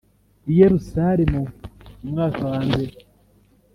I yerusalemu mu mwaka wambere